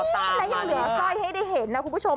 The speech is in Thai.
ไส้แล้วยังเหลือสร้อยให้ได้เห็นนะคุณผู้ชม